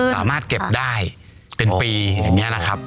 สามารถเก็บได้เป็นปีอย่างนี้นะครับ